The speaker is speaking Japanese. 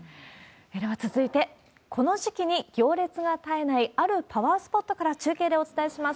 では続いて、この時期に行列が絶えない、あるパワースポットから中継でお伝えします。